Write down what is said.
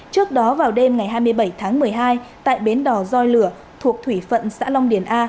trước đó vào đêm ngày hai mươi bảy tháng một mươi hai tại bến đỏ doi lửa thuộc thủy phận xã long điền a